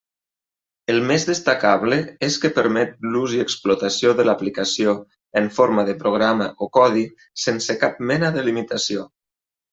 El més destacable és que permet l'ús i explotació de l'aplicació, en forma de programa o codi, sense cap mena de limitació.